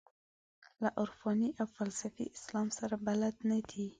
له عرفاني او فلسفي اسلام سره بلد نه دي.